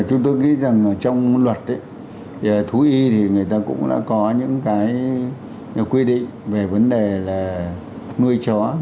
chúng tôi nghĩ rằng trong luật thú y thì người ta cũng đã có những cái quy định về vấn đề là nuôi chó